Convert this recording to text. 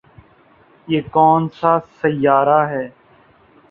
یہ کون سا سیارہ ہے